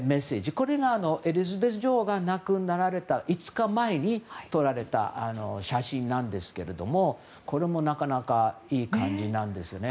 これがエリザベス女王が亡くなられた５日前に撮られた写真なんですけどもこれもなかなかいい感じなんですよね。